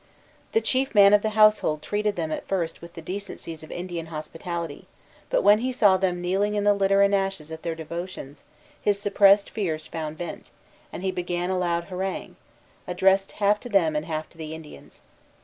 The chief man of the household treated them at first with the decencies of Indian hospitality; but when he saw them kneeling in the litter and ashes at their devotions, his suppressed fears found vent, and he began a loud harangue, addressed half to them and half to the Indians.